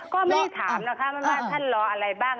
ก็ไม่ได้ถามนะคะว่าท่านรออะไรบ้าง